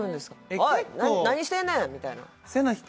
おい何してんねん！みたいな？